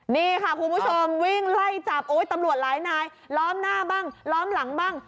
นี่ค่ะคุณผู้ชมวิ่งไล่จับโอ้ยตำรวจหลายนายล้อมหน้าบ้างล้อมหลังบ้าง